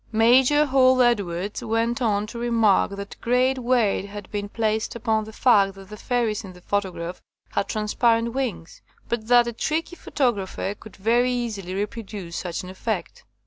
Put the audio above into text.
Major Hall Edwards went on to remark that great weight had been placed upon the fact that the fairies in the photograph had transparent wings, but that a tricky pho tographer could very easily reproduce such an effect.